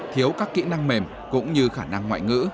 thiếu các kỹ năng mềm cũng như khả năng ngoại ngữ